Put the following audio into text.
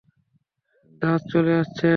দাস, চলে আসছে।